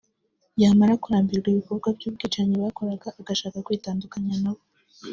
yamara kurambirwa ibikorwa by’ubwicanyi bakoraga agashaka kwitandukanya nabo